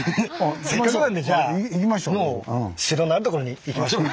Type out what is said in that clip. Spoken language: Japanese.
せっかくなんでじゃあもう城のあるところに行きましょうか。